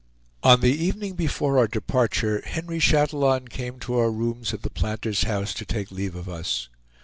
On the evening before our departure Henry Chatillon came to our rooms at the Planters' House to take leave of us.